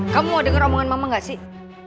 kamu mau dengar omongan mama gak sih